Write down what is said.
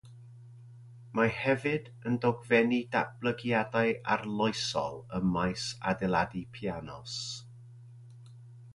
Mae hefyd yn dogfennu datblygiadau arloesol ym maes adeiladu pianos.